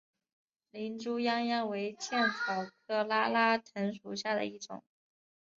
林猪殃殃为茜草科拉拉藤属下的一个种。